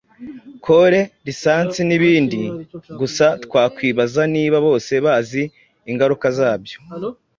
kore, lisansi, n’ibindi. Gusa twakwibaza niba bose bazi ingaruka zabyo?